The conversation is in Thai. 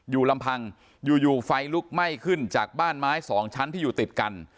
ลำพังอยู่ไฟลุกไหม้ขึ้นจากบ้านไม้สองชั้นที่อยู่ติดกัน